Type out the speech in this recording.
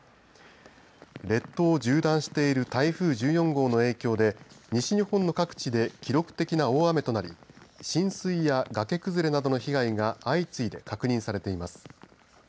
列島を縦断している台風１４号の影響で西日本の各地で記録的な大雨となり浸水や崖崩れなどの被害が相次いで確認されています。